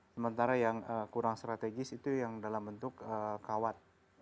sementara yang kurang strategis itu yang dalam bentuk kawat